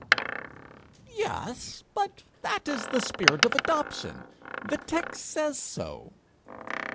'Yes; but that is the spirit of adoption; the text says so.'